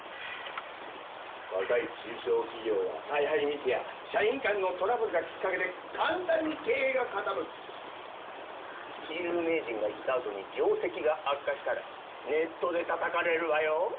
若い中小企業は采配ミスや社員間のトラブルがきっかけで簡単に経営が傾くプチ有名人が行ったあとに業績が悪化したらネットでたたかれるわよ